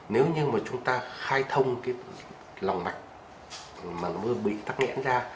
nếu như mà chúng ta khai thông cái lòng mạch mà nó bị tắt nghẽn ra